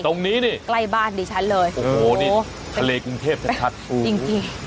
ตรงนี้นี่ใกล้บ้านดิฉันเลยโอ้โหนี่ทะเลกรุงเทพชัดชัดจริงจริง